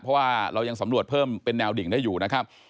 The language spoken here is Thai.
เพราะว่าเรายังสำรวจเพิ่มเป็นแนวดิ่งได้อยู่นะครับ